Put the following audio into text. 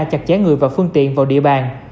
chặt chẽ người và phương tiện vào địa bàn